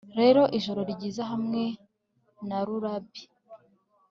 Rero ijoro ryiza hamwe na lullaby